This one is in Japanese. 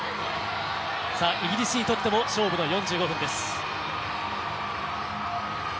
イギリスにとっても勝負の４５分です。